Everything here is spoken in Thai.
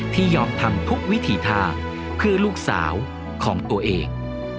ที่ยอมทำทุกวิถีทางคือลูกสาวของตัวเอง